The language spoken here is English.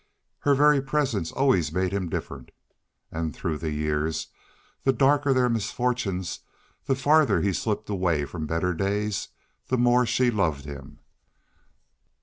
Her very presence always made him different. And through the years, the darker their misfortunes, the farther he slipped away from better days, the more she loved him.